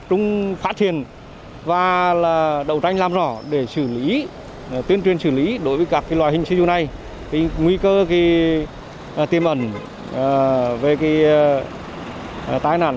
tuyên truyền xử lý đối với các loài hình xe dù này nguy cơ tiềm ẩn về tai nạn